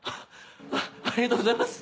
ありがとうございます。